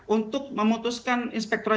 untuk memutuskan inspektora